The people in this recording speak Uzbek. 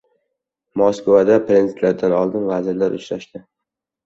Moskvada Prezidentlardan oldin vazirlar uchrashdi